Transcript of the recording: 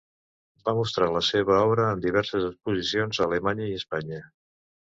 Va mostrar la seva obra en diverses exposicions a Alemanya i Espanya.